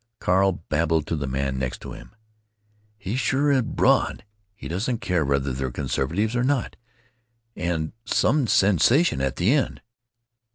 Carl babbled to the man next him, "He sure is broad. He doesn't care whether they're conservative or not. And some sensation at the end!"